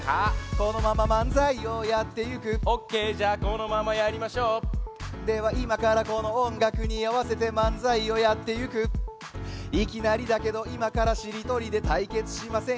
このまままんざいをやってゆくオッケーじゃあこのままやりましょうではいまからこのおんがくにあわせてまんざいをやってゆくいきなりだけどいまからしりとりでたいけつしませんか？